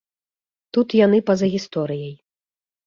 Тут яны па-за гісторыяй.